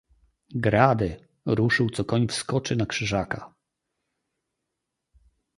"Grady!“ ruszył co koń wskoczy na Krzyżaka."